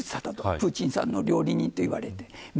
プーチンさんの料理人といわれていた。